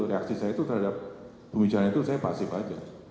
reaksi saya itu terhadap pembicaraan itu saya pasif aja